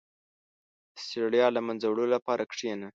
• د ستړیا له منځه وړلو لپاره کښېنه.